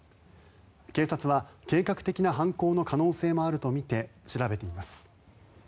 警察は計画的な犯行の可能性もあるとみて調べています。